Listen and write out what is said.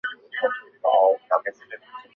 圣莱热特里耶伊。